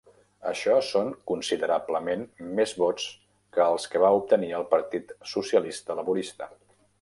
Això són considerablement més vots que els que va obtenir el Partit Socialista Laborista.